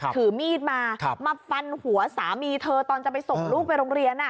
ถือมีดมามาฟันหัวสามีเธอตอนจะไปส่งลูกไปโรงเรียน